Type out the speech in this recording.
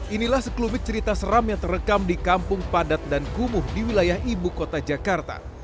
inilah sekelubit cerita seram yang terekam di kampung padat dan kumuh di wilayah ibu kota jakarta